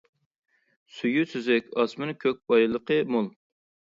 سۈيى سۈزۈك، ئاسمىنى كۆك، بايلىقى مول.